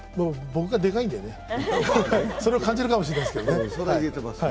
僕がでかいんでね、そう感じるのかもしれませんけどね。